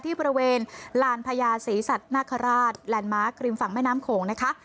ที่บริเวณลานพญาศรีสัตนคราชแลนด์มาร์คริมฝั่งแม่น้ำโขงนะคะ